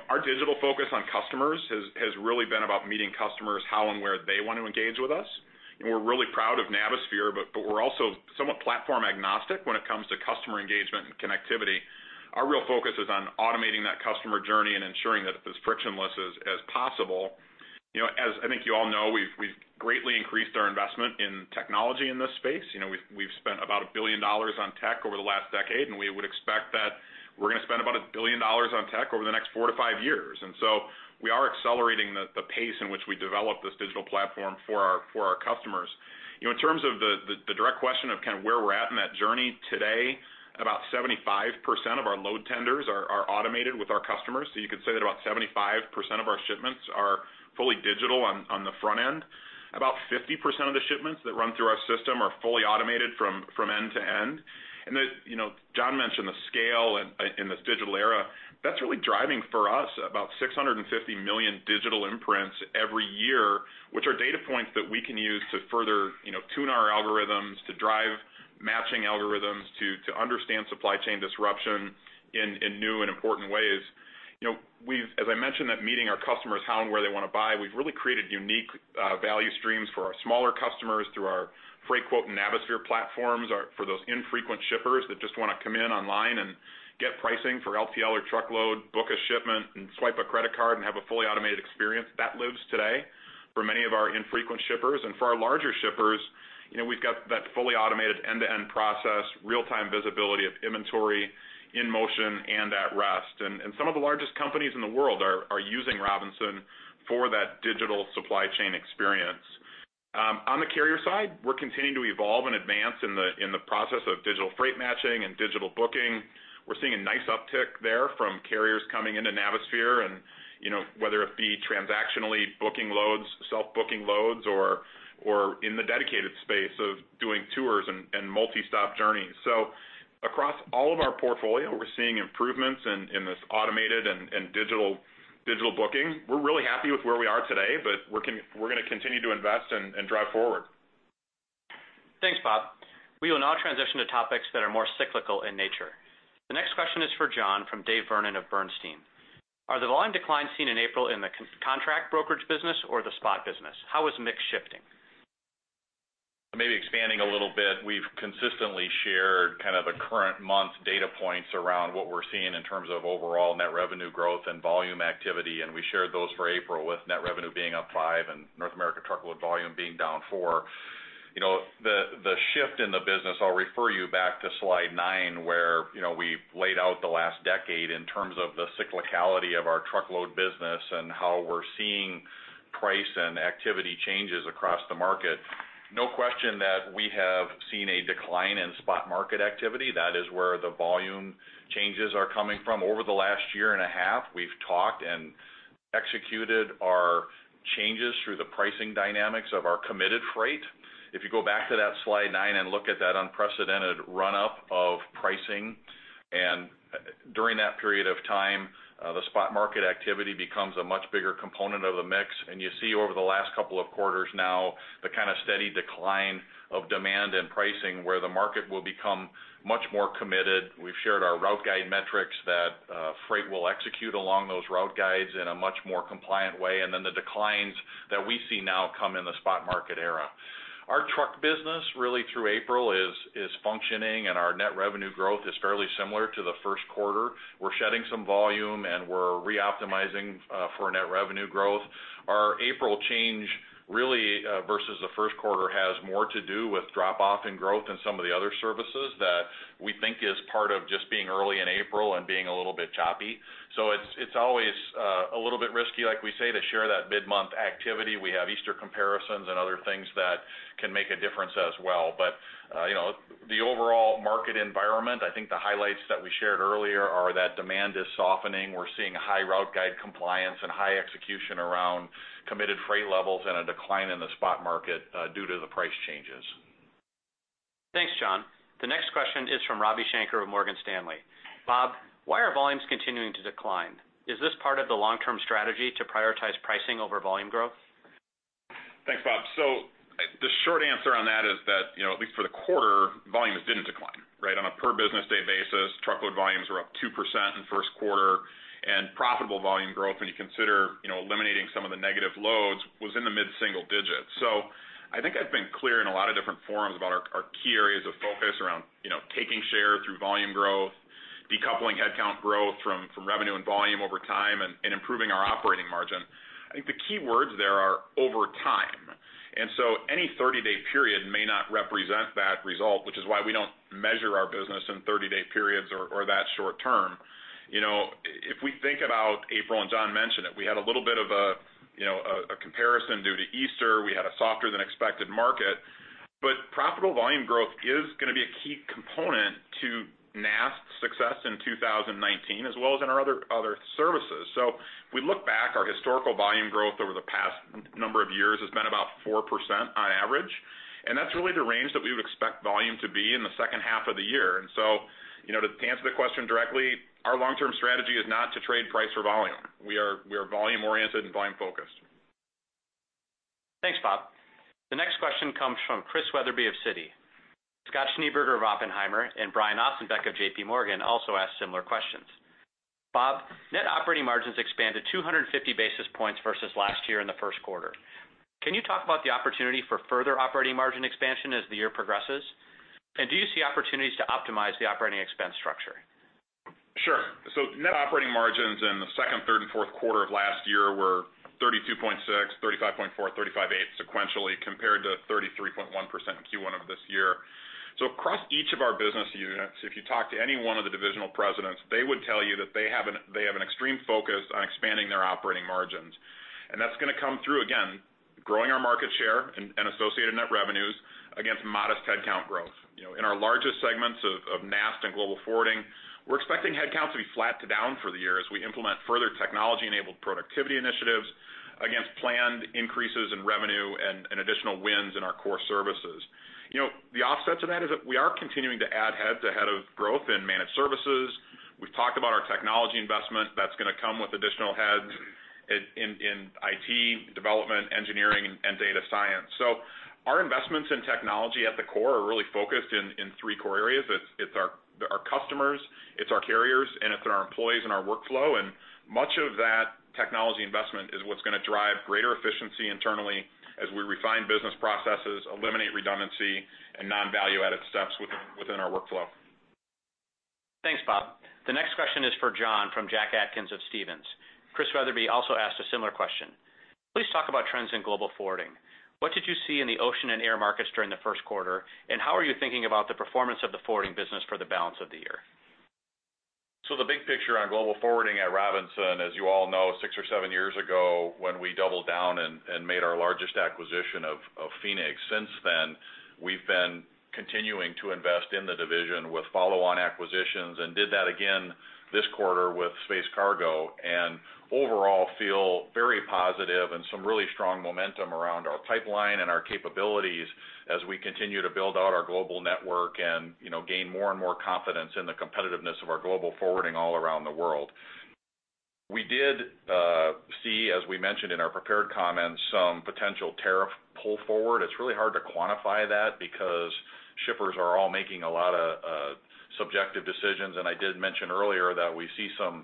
Our digital focus on customers has really been about meeting customers how and where they want to engage with us. We're really proud of Navisphere, but we're also somewhat platform agnostic when it comes to customer engagement and connectivity. Our real focus is on automating that customer journey and ensuring that it is frictionless as possible. As I think you all know, we've greatly increased our investment in technology in this space. We've spent about $1 billion on tech over the last decade, and we would expect that we're going to spend about $1 billion on tech over the next four to five years. So we are accelerating the pace in which we develop this digital platform for our customers. In terms of the direct question of kind of where we're at in that journey today, about 75% of our load tenders are automated with our customers. You could say that about 75% of our shipments are fully digital on the front end. About 50% of the shipments that run through our system are fully automated from end to end. John mentioned the scale in this digital era. That's really driving for us about 650 million digital imprints every year, which are data points that we can use to further tune our algorithms, to drive matching algorithms, to understand supply chain disruption in new and important ways. As I mentioned, that meeting our customers how and where they want to buy, we've really created unique value streams for our smaller customers through our Freightquote and Navisphere platforms for those infrequent shippers that just want to come in online and get pricing for LTL or truckload, book a shipment, and swipe a credit card, and have a fully automated experience. That lives today for many of our infrequent shippers. For our larger shippers- We've got that fully automated end-to-end process, real-time visibility of inventory in motion and at rest. Some of the largest companies in the world are using Robinson for that digital supply chain experience. On the carrier side, we're continuing to evolve and advance in the process of digital freight matching and digital booking. We're seeing a nice uptick there from carriers coming into Navisphere and, whether it be transactionally booking loads, self-booking loads, or in the dedicated space of doing tours and multi-stop journeys. So across all of our portfolio, we're seeing improvements in this automated and digital booking. We're really happy with where we are today, but we're going to continue to invest and drive forward. Thanks, Bob. We will now transition to topics that are more cyclical in nature. The next question is for John from David Vernon of Bernstein. Are the volume declines seen in April in the contract brokerage business or the spot business? How is mix shifting? Maybe expanding a little bit. We've consistently shared kind of the current month's data points around what we're seeing in terms of overall net revenue growth and volume activity, and we shared those for April, with net revenue being up five and North America truckload volume being down four. The shift in the business, I'll refer you back to slide nine, where we laid out the last decade in terms of the cyclicality of our truckload business and how we're seeing price and activity changes across the market. No question that we have seen a decline in spot market activity. That is where the volume changes are coming from. Over the last year and a half, we've talked and executed our changes through the pricing dynamics of our committed freight. If you go back to that slide nine and look at that unprecedented run-up of pricing. During that period of time, the spot market activity becomes a much bigger component of the mix. You see over the last couple of quarters now the kind of steady decline of demand and pricing where the market will become much more committed. We've shared our route guide metrics that freight will execute along those route guides in a much more compliant way. Then the declines that we see now come in the spot market era. Our truck business really through April is functioning, and our net revenue growth is fairly similar to the first quarter. We're shedding some volume, and we're re-optimizing for net revenue growth. Our April change really versus the first quarter has more to do with drop-off in growth in some of the other services that we think is part of just being early in April and being a little bit choppy. It's always a little bit risky, like we say, to share that mid-month activity. We have Easter comparisons and other things that can make a difference as well. The overall market environment, I think the highlights that we shared earlier are that demand is softening. We're seeing high route guide compliance and high execution around committed freight levels and a decline in the spot market due to the price changes. Thanks, John. The next question is from Ravi Shanker of Morgan Stanley. Bob, why are volumes continuing to decline? Is this part of the long-term strategy to prioritize pricing over volume growth? Thanks, Bob. The short answer on that is that, at least for the quarter, volumes didn't decline, right? On a per business day basis, truckload volumes were up 2% in the first quarter, and profitable volume growth, when you consider eliminating some of the negative loads, was in the mid-single digits. I think I've been clear in a lot of different forums about our key areas of focus around taking shares through volume growth, decoupling headcount growth from revenue and volume over time, and improving our operating margin. I think the key words there are over time. Any 30-day period may not represent that result, which is why we don't measure our business in 30-day periods or that short term. If we think about April, and John mentioned it, we had a little bit of a comparison due to Easter. We had a softer than expected market. Profitable volume growth is going to be a key component to NAST's success in 2019, as well as in our other services. If we look back, our historical volume growth over the past number of years has been about 4% on average, and that's really the range that we would expect volume to be in the second half of the year. To answer the question directly, our long-term strategy is not to trade price for volume. We are volume-oriented and volume-focused. Thanks, Bob. The next question comes from Chris Wetherbee of Citi. Scott Schneeberger of Oppenheimer and Brian Ossenbeck of J.P. Morgan also asked similar questions. Bob, net operating margins expanded 250 basis points versus last year in the first quarter. Can you talk about the opportunity for further operating margin expansion as the year progresses? Do you see opportunities to optimize the operating expense structure? Sure. Net operating margins in the second, third, and fourth quarter of last year were 32.6%, 35.4%, 35.8% sequentially, compared to 33.1% in Q1 of this year. Across each of our business units, if you talk to any one of the divisional presidents, they would tell you that they have an extreme focus on expanding their operating margins. That's going to come through, again, growing our market share and associated net revenues against modest headcount growth. In our largest segments of NAST and Global Forwarding, we're expecting headcount to be flat to down for the year as we implement further technology-enabled productivity initiatives against planned increases in revenue and additional wins in our core services. The offset to that is that we are continuing to add heads ahead of growth in managed services. We've talked about our technology investment that's going to come with additional heads in IT, development, engineering, and data science. Our investments in technology at the core are really focused in three core areas. It's our customers, it's our carriers, and it's our employees and our workflow. Much of that technology investment is what's going to drive greater efficiency internally as we refine business processes, eliminate redundancy and non-value-added steps within our workflow. The question is for John from Jack Atkins of Stephens. Chris Wetherbee also asked a similar question. Please talk about trends in global forwarding. What did you see in the ocean and air markets during the first quarter, and how are you thinking about the performance of the forwarding business for the balance of the year? The big picture on global forwarding at Robinson, as you all know, six or seven years ago, when we doubled down and made our largest acquisition of Phoenix. Since then, we've been continuing to invest in the division with follow-on acquisitions and did that again this quarter with Space Cargo and overall feel very positive and some really strong momentum around our pipeline and our capabilities as we continue to build out our global network and gain more and more confidence in the competitiveness of our global forwarding all around the world. We did see, as we mentioned in our prepared comments, some potential tariff pull forward. It's really hard to quantify that because shippers are all making a lot of subjective decisions, and I did mention earlier that we see some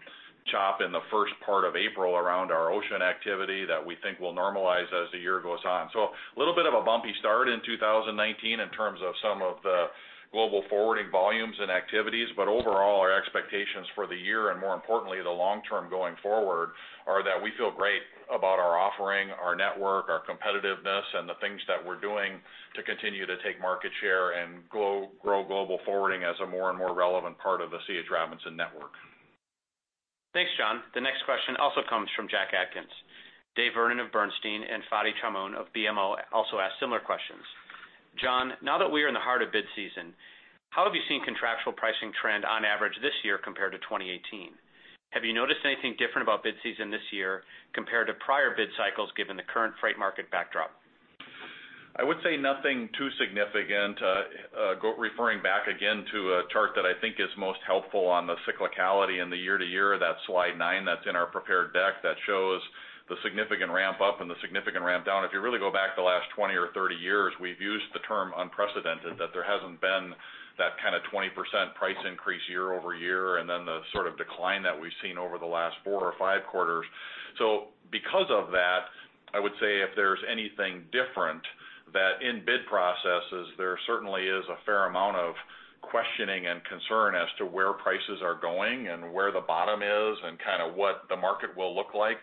chop in the first part of April around our ocean activity that we think will normalize as the year goes on. A little bit of a bumpy start in 2019 in terms of some of the global forwarding volumes and activities. Overall, our expectations for the year and more importantly, the long term going forward, are that we feel great about our offering, our network, our competitiveness, and the things that we're doing to continue to take market share and grow global forwarding as a more and more relevant part of the C.H. Robinson network. Thanks, John. The next question also comes from Jack Atkins. David Vernon of Bernstein and Fadi Chamoun of BMO also asked similar questions. John, now that we are in the heart of bid season, how have you seen contractual pricing trend on average this year compared to 2018? Have you noticed anything different about bid season this year compared to prior bid cycles, given the current freight market backdrop? I would say nothing too significant. Referring back again to a chart that I think is most helpful on the cyclicality and the year-over-year, that slide nine that's in our prepared deck that shows the significant ramp-up and the significant ramp down. If you really go back the last 20 or 30 years, we've used the term unprecedented, that there hasn't been that kind of 20% price increase year-over-year, and then the sort of decline that we've seen over the last four or five quarters. Because of that, I would say if there's anything different that in bid processes, there certainly is a fair amount of questioning and concern as to where prices are going and where the bottom is and what the market will look like.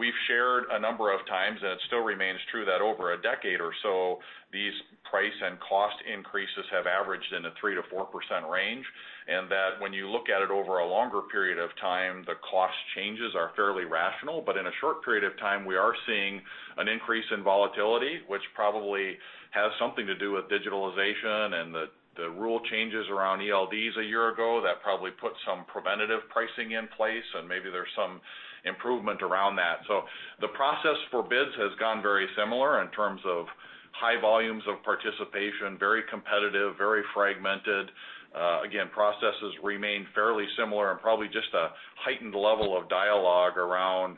We've shared a number of times, it still remains true that over a decade or so, these price and cost increases have averaged in the 3%-4% range, and that when you look at it over a longer period of time, the cost changes are fairly rational. In a short period of time, we are seeing an increase in volatility, which probably has something to do with digitalization and the rule changes around ELDs a year ago that probably put some preventative pricing in place, and maybe there's some improvement around that. The process for bids has gone very similar in terms of high volumes of participation, very competitive, very fragmented. Again, processes remain fairly similar and probably just a heightened level of dialogue around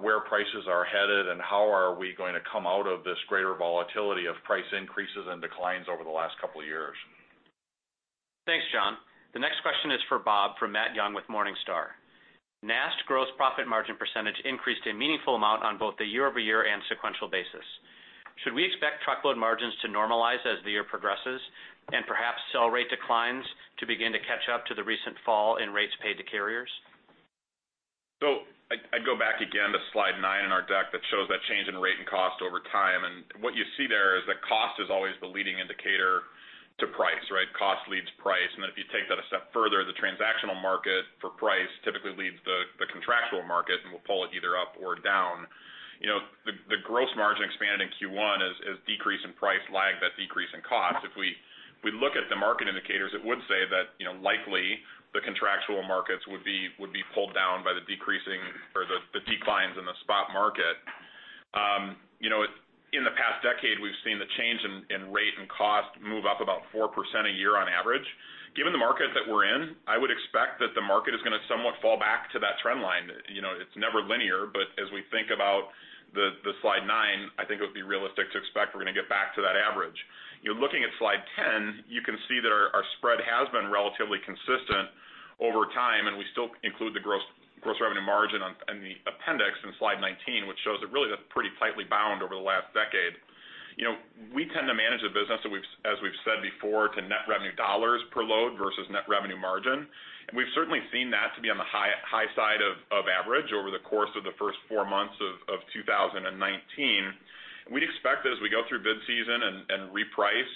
where prices are headed and how are we going to come out of this greater volatility of price increases and declines over the last couple of years. Thanks, John. The next question is for Bob from Matthew Young with Morningstar. NAST gross profit margin % increased a meaningful amount on both the year-over-year and sequential basis. Should we expect truckload margins to normalize as the year progresses and perhaps sell rate declines to begin to catch up to the recent fall in rates paid to carriers? I go back again to slide nine in our deck that shows that change in rate and cost over time. What you see there is that cost is always the leading indicator to price, right? Cost leads price. If you take that a step further, the transactional market for price typically leads the contractual market, and we'll pull it either up or down. The gross margin expanded in Q1 as decrease in price lagged that decrease in cost. If we look at the market indicators, it would say that likely the contractual markets would be pulled down by the decreasing or the declines in the spot market. In the past decade, we've seen the change in rate and cost move up about 4% a year on average. Given the market that we're in, I would expect that the market is going to somewhat fall back to that trend line. It's never linear, as we think about the slide nine, I think it would be realistic to expect we're going to get back to that average. Looking at slide 10, you can see that our spread has been relatively consistent over time. We still include the gross revenue margin in the appendix in slide 19, which shows that really that's pretty tightly bound over the last decade. We tend to manage the business, as we've said before, to net revenue dollars per load versus net revenue margin, and we've certainly seen that to be on the high side of average over the course of the first four months of 2019. We'd expect that as we go through bid season and reprice,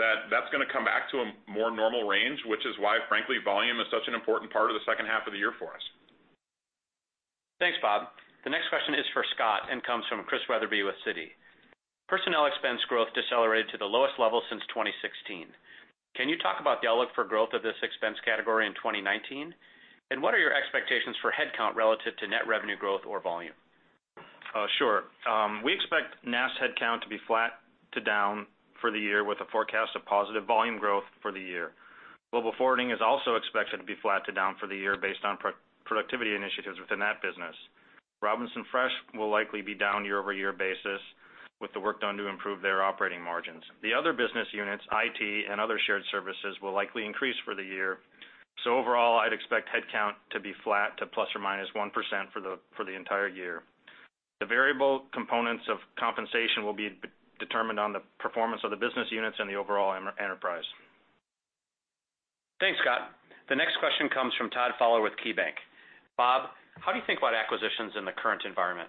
that that's going to come back to a more normal range, which is why, frankly, volume is such an important part of the second half of the year for us. Thanks, Bob. The next question is for Scott and comes from Chris Wetherbee with Citi. Personnel expense growth decelerated to the lowest level since 2016. Can you talk about the outlook for growth of this expense category in 2019? What are your expectations for headcount relative to net revenue growth or volume? Sure. We expect NAST headcount to be flat to down for the year with a forecast of positive volume growth for the year. Global forwarding is also expected to be flat to down for the year based on productivity initiatives within that business. Robinson Fresh will likely be down year-over-year basis with the work done to improve their operating margins. The other business units, IT, and other shared services will likely increase for the year. Overall, I'd expect headcount to be flat to ±1% for the entire year. The variable components of compensation will be determined on the performance of the business units and the overall enterprise. Thanks, Scott. The next question comes from Todd Fowler with KeyBanc. Bob, how do you think about acquisitions in the current environment?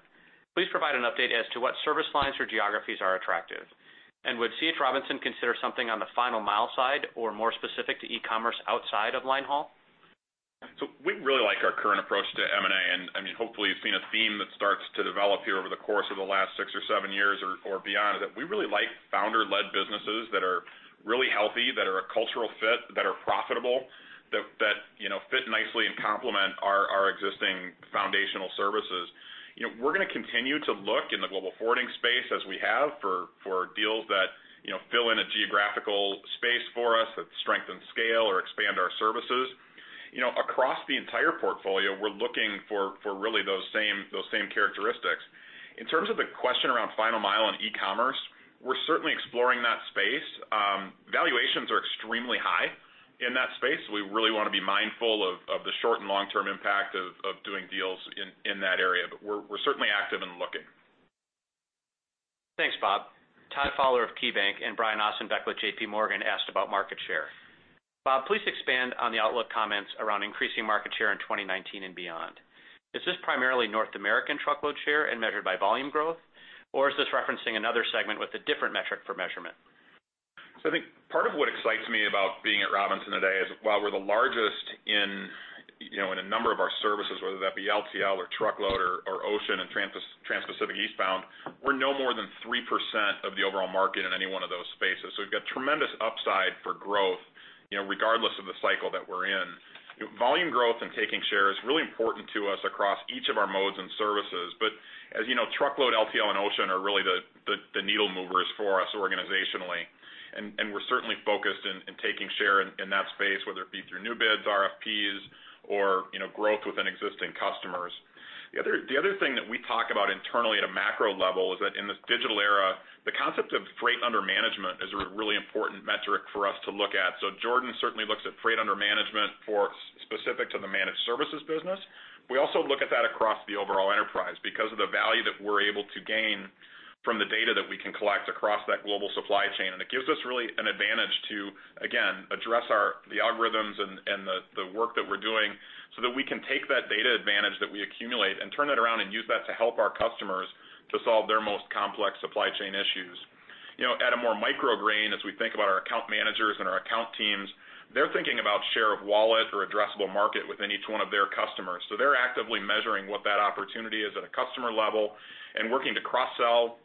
Please provide an update as to what service lines or geographies are attractive, and would C.H. Robinson consider something on the final mile side, or more specific to e-commerce outside of line haul? We really like our current approach to M&A, and hopefully you've seen a theme that starts to develop here over the course of the last six or seven years, or beyond, is that we really like founder-led businesses that are really healthy, that are a cultural fit, that are profitable, that fit nicely and complement our existing foundational services. We're going to continue to look in the global forwarding space as we have for deals that fill in a geographical space for us, that strengthen scale or expand our services. Across the entire portfolio, we're looking for really those same characteristics. In terms of the question around final mile and e-commerce, we're certainly exploring that space. Valuations are extremely high in that space. We really want to be mindful of the short and long-term impact of doing deals in that area. We're certainly active and looking. Thanks, Bob. Todd Fowler of KeyBanc and Brian Ossenbeck with J.P. Morgan asked about market share. Bob, please expand on the outlook comments around increasing market share in 2019 and beyond. Is this primarily North American truckload share and measured by volume growth, or is this referencing another segment with a different metric for measurement? I think part of what excites me about being at Robinson today is while we're the largest in a number of our services, whether that be LTL or truckload or ocean and transpacific eastbound, we're no more than 3% of the overall market in any one of those spaces. We've got tremendous upside for growth regardless of the cycle that we're in. Volume growth and taking share is really important to us across each of our modes and services. As you know, truckload, LTL, and ocean are really the needle movers for us organizationally. We're certainly focused in taking share in that space, whether it be through new bids, RFPs, or growth within existing customers. The other thing that we talk about internally at a macro level is that in this digital era, the concept of freight under management is a really important metric for us to look at. Jordan certainly looks at freight under management for specific to the managed services business. We also look at that across the overall enterprise because of the value that we're able to gain from the data that we can collect across that global supply chain. It gives us really an advantage to, again, address the algorithms and the work that we're doing so that we can take that data advantage that we accumulate and turn that around and use that to help our customers to solve their most complex supply chain issues. At a more micro grain, as we think about our account managers and our account teams, they're thinking about share of wallet or addressable market within each one of their customers. They're actively measuring what that opportunity is at a customer level and working to cross-sell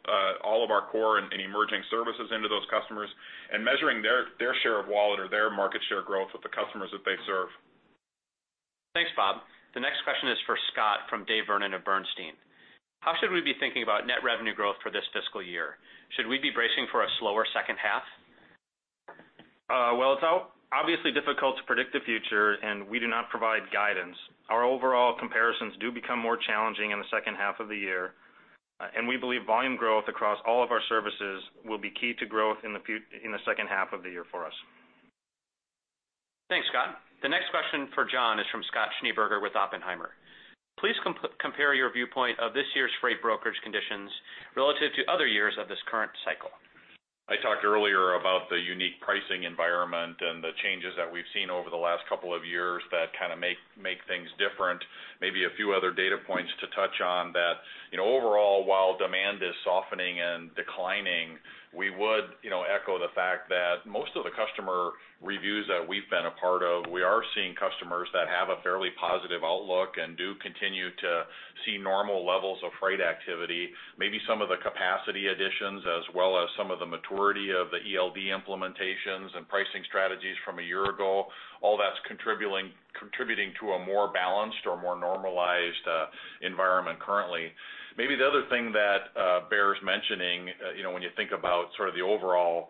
all of our core and emerging services into those customers, and measuring their share of wallet or their market share growth with the customers that they serve. Thanks, Bob. The next question is for Scott from David Vernon of Bernstein. How should we be thinking about net revenue growth for this fiscal year? Should we be bracing for a slower second half? Well, it's obviously difficult to predict the future, and we do not provide guidance. Our overall comparisons do become more challenging in the second half of the year, and we believe volume growth across all of our services will be key to growth in the second half of the year for us. Thanks, Scott. The next question for John is from Scott Schneeberger with Oppenheimer. Please compare your viewpoint of this year's freight brokerage conditions relative to other years of this current cycle. I talked earlier about the unique pricing environment and the changes that we've seen over the last couple of years that kind of make things different. Maybe a few other data points to touch on that overall, while demand is softening and declining, we would echo the fact that most of the customer reviews that we've been a part of, we are seeing customers that have a fairly positive outlook and do continue to see normal levels of freight activity. Maybe some of the capacity additions, as well as some of the maturity of the ELD implementations and pricing strategies from a year ago, all that's contributing to a more balanced or more normalized environment currently. Maybe the other thing that bears mentioning when you think about sort of the overall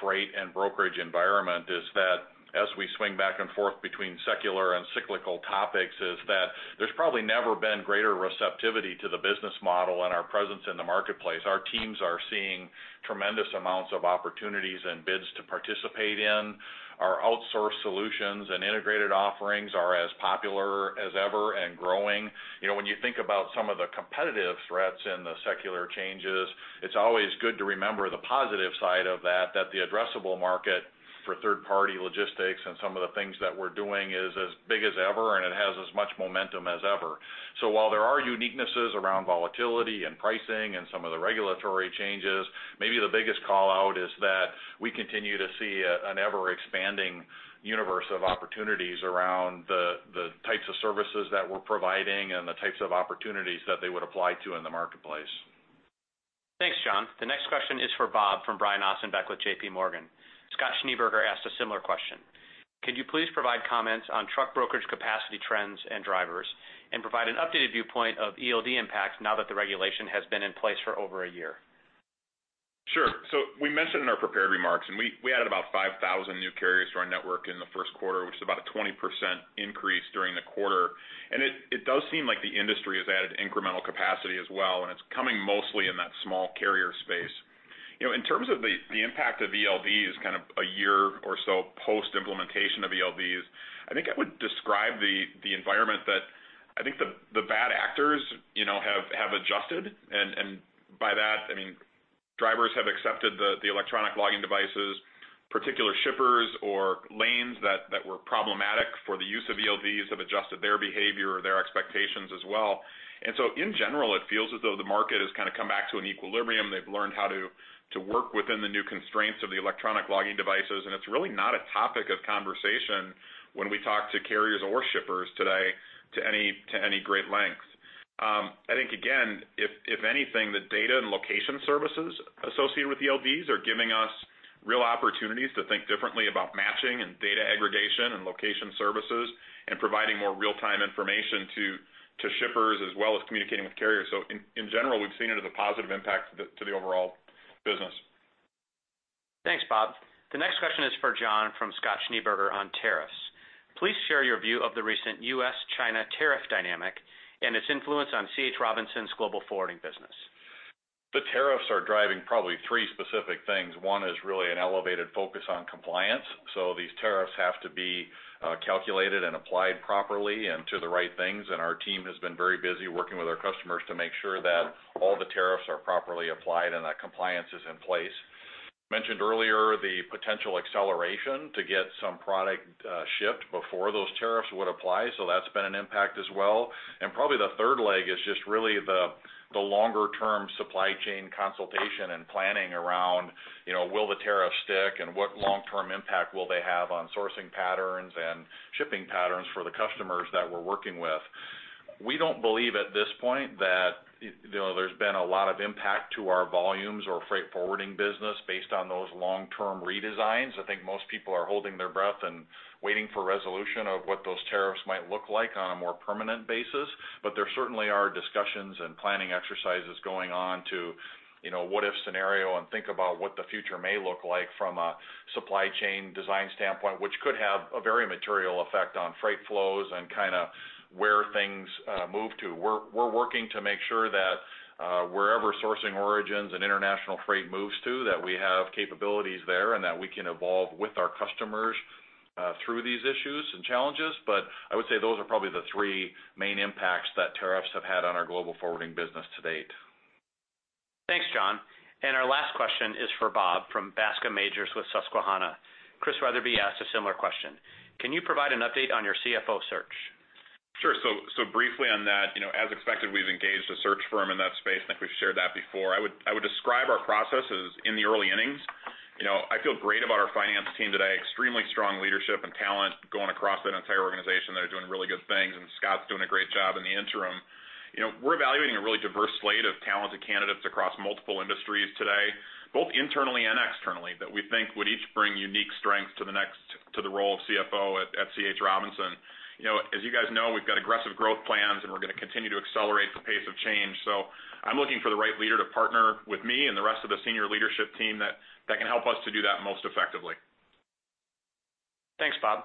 freight and brokerage environment is that as we swing back and forth between secular and cyclical topics, is that there's probably never been greater receptivity to the business model and our presence in the marketplace. Our teams are seeing tremendous amounts of opportunities and bids to participate in. Our outsourced solutions and integrated offerings are as popular as ever and growing. When you think about some of the competitive threats and the secular changes, it's always good to remember the positive side of that the addressable market for third-party logistics and some of the things that we're doing is as big as ever, and it has as much momentum as ever. While there are uniquenesses around volatility and pricing and some of the regulatory changes, maybe the biggest call-out is that we continue to see an ever-expanding universe of opportunities around the types of services that we're providing and the types of opportunities that they would apply to in the marketplace. Thanks, John. The next question is for Bob from Brian Ossenbeck with J.P. Morgan. Scott Schneeberger asked a similar question. Could you please provide comments on truck brokerage capacity trends and drivers, and provide an updated viewpoint of ELD impact now that the regulation has been in place for over one year? Sure. We mentioned in our prepared remarks, and we added about 5,000 new carriers to our network in the first quarter, which is about a 20% increase during the quarter. It does seem like the industry has added incremental capacity as well, and it's coming mostly in that small carrier space. In terms of the impact of ELDs kind of one year or so post-implementation of ELDs, I think I would describe the environment that I think the bad actors have adjusted. By that, I mean, drivers have accepted the electronic logging devices. Particular shippers or lanes that were problematic for the use of ELDs have adjusted their behavior or their expectations as well. In general, it feels as though the market has kind of come back to an equilibrium. They've learned how to work within the new constraints of the electronic logging devices, and it's really not a topic of conversation when we talk to carriers or shippers today to any great length. I think, again, if anything, the data and location services associated with ELDs are giving us real opportunities to think differently about matching and data aggregation and location services, and providing more real-time information to shippers as well as communicating with carriers. In general, we've seen it as a positive impact to the overall business. Thanks, Bob. The next question is for John from Scott Schneeberger on tariffs. "Please share your view of the recent U.S.-China tariff dynamic and its influence on C. H. Robinson's global forwarding business. The tariffs are driving probably three specific things. One is really an elevated focus on compliance. These tariffs have to be calculated and applied properly and to the right things, and our team has been very busy working with our customers to make sure that all the tariffs are properly applied and that compliance is in place. Mentioned earlier, the potential acceleration to get some product shipped before those tariffs would apply, so that's been an impact as well. Probably the third leg is just really the longer-term supply chain consultation and planning around will the tariffs stick and what long-term impact will they have on sourcing patterns and shipping patterns for the customers that we're working with. We don't believe at this point that there's been a lot of impact to our volumes or freight forwarding business based on those long-term redesigns. I think most people are holding their breath and waiting for resolution of what those tariffs might look like on a more permanent basis. There certainly are discussions and planning exercises going on to what if scenario and think about what the future may look like from a supply chain design standpoint, which could have a very material effect on freight flows and kind of where things move to. We're working to make sure that wherever sourcing origins and international freight moves to, that we have capabilities there, and that we can evolve with our customers through these issues and challenges. I would say those are probably the three main impacts that tariffs have had on our global forwarding business to date. Thanks, John. Our last question is for Bob from Bascome Majors with Susquehanna. Chris Wetherbee asked a similar question. "Can you provide an update on your CFO search? Sure. Briefly on that, as expected, we've engaged a search firm in that space. I think we've shared that before. I would describe our process as in the early innings. I feel great about our finance team today. Extremely strong leadership and talent going across that entire organization. They're doing really good things, and Scott's doing a great job in the interim. We're evaluating a really diverse slate of talented candidates across multiple industries today, both internally and externally, that we think would each bring unique strengths to the role of CFO at C.H. Robinson. You guys know, we've got aggressive growth plans, and we're going to continue to accelerate the pace of change. I'm looking for the right leader to partner with me and the rest of the senior leadership team that can help us to do that most effectively. Thanks, Bob.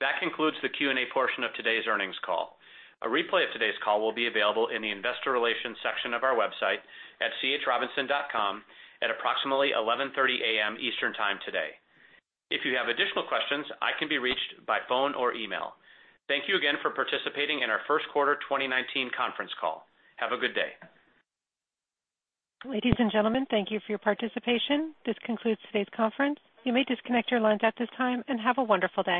That concludes the Q&A portion of today's earnings call. A replay of today's call will be available in the investor relations section of our website at chrobinson.com at approximately 11:30 A.M. Eastern Time today. If you have additional questions, I can be reached by phone or email. Thank you again for participating in our first quarter 2019 conference call. Have a good day. Ladies and gentlemen, thank you for your participation. This concludes today's conference. You may disconnect your lines at this time, and have a wonderful day.